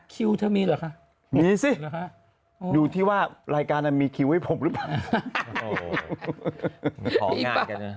คิวเธอมีเหรอคะมีสิดูที่ว่ารายการมีคิวให้ผมหรือเปล่า